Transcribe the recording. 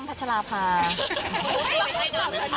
ก้อยเอพี